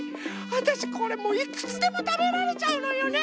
わたしこれもういくつでもたべられちゃうのよね！